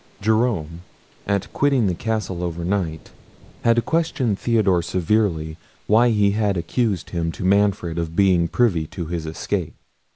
Jerome, at quitting the castle overnight, had questioned Theodore severely why he had accused him to Manfred of being privy to his escape.